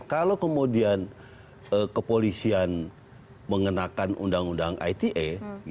kalau kemudian kepolisian mengenakan undang undang ite